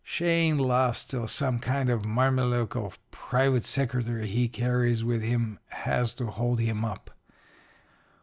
"Shane laughs till some kind of mameluke or private secretary he carries with him has to hold him up.